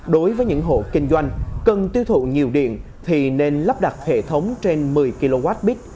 đối với những hộ kinh doanh cần tiêu thụ nhiều điện thì nên lắp đặt hệ thống trên một mươi kwh